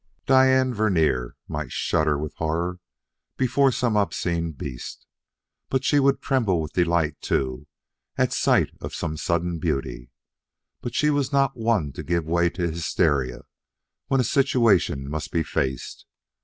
Diane Vernier might shudder with horror before some obscene beast she would tremble with delight, too, at sight of some sudden beauty but she was not one to give way to hysteria when a situation must be faced.